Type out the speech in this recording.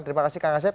terima kasih kang asep